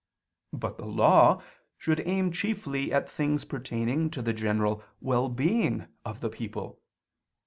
But the Law should aim chiefly at things pertaining to the general well being of the people.